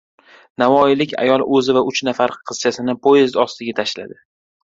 Navoiylik ayol o‘zi va uch nafar qizchasini poyezd ostiga tashladi